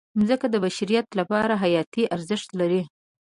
مځکه د بشریت لپاره حیاتي ارزښت لري.